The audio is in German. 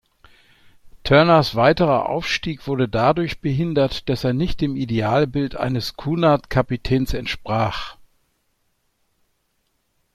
Turners weiterer Aufstieg wurde dadurch behindert, dass er nicht dem Idealbild eines Cunard-Kapitäns entsprach.